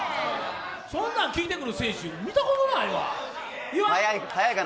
そんなん聞いてくる選手、見たことないわ。